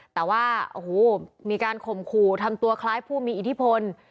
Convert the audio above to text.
แต่ว่าโอ้โหมีการข่มขู่ทำตัวคล้ายผู้มีอิทธิพล